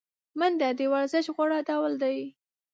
منډه د ورزش غوره ډول دی